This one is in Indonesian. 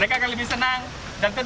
paket wisata unik ini hanya dilaksanakan